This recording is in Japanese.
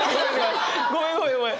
ごめんごめんごめん！